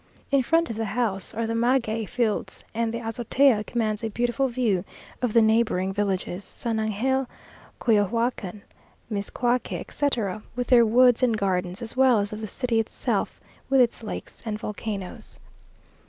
In front of the house are the maguey fields, and the azotea commands a beautiful view of the neighbouring villages, San Angel, Coyohuacan, Miscuaque, etc., with their woods and gardens, as well as of the city itself, with its lakes and volcanoes.